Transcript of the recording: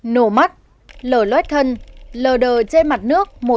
nổ mắt lở lét thân lờ đờ trên mặt nước